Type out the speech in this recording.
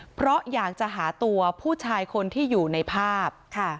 เพราะอยากจะหาตัวผู้ชายคนที่อยู่ในภาพ